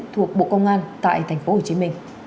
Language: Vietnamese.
thuộc bộ công an tại tp hcm